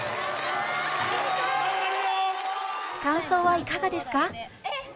感想はいかがですか？